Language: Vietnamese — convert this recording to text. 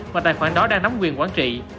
và tài khoản đó đang nắm quyền quản trị